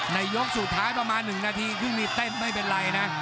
ยกสุดท้ายประมาณ๑นาทีครึ่งนี้เต้นไม่เป็นไรนะ